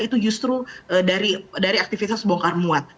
itu justru dari aktivitas bongkar muat